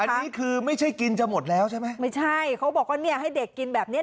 อันนี้คือไม่ใช่กินจะหมดแล้วใช่ไหมไม่ใช่เขาบอกว่าเนี่ยให้เด็กกินแบบเนี้ย